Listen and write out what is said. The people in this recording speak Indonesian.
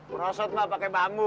prosot mbah pake bambu